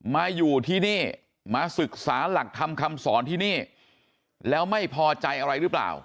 มาอยู่ที่นี่มาศึกษาหลักธรรมคำสอนที่นี่แล้วไม่พอใจอะไรหรือเปล่า